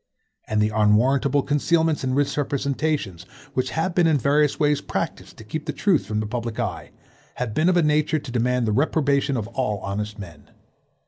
And the unwarrantable concealments and misrepresentations which have been in various ways practiced to keep the truth from the public eye, have been of a nature to demand the reprobation of all honest men.